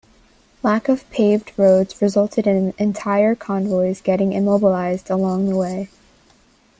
Lack of paved roads resulted in entire convoys getting immobilized along the way.